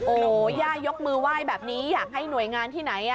โอ้โหย่ายกมือไหว้แบบนี้อยากให้หน่วยงานที่ไหน